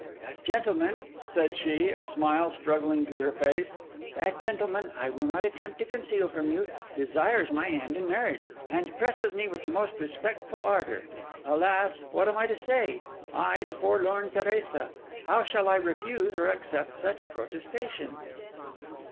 'That gentleman,' said she, a smile struggling to her face, 'that gentleman, I will not attempt to conceal from you, desires my hand in marriage, and presses me with the most respectful ardour. Alas, what am I to say? I, the forlorn Teresa, how shall I refuse or accept such protestations?